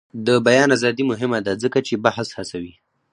د بیان ازادي مهمه ده ځکه چې بحث هڅوي.